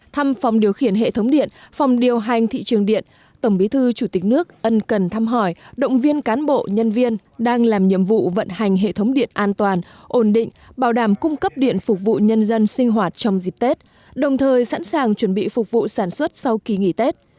thăm phòng điều khiển hệ thống điện phòng điều hành thị trường điện tổng bí thư chủ tịch nước ân cần thăm hỏi động viên cán bộ nhân viên đang làm nhiệm vụ vận hành hệ thống điện an toàn ổn định bảo đảm cung cấp điện phục vụ nhân dân sinh hoạt trong dịp tết đồng thời sẵn sàng chuẩn bị phục vụ sản xuất sau kỳ nghỉ tết